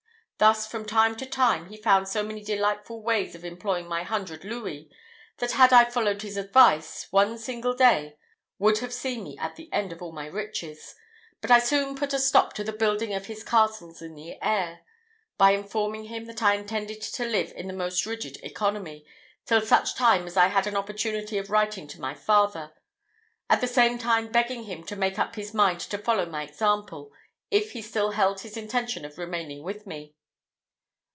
Thus, from time to time, he found so many delightful ways of employing my hundred louis, that, had I followed his advice, one single day would have seen me at the end of all my riches: but I soon put a stop to the building of his castles in the air, by informing him that I intended to live with the most rigid economy, till such time as I had an opportunity of writing to my father; at the same time begging him to make up his mind to follow my example, if he still held his intention of remaining with me.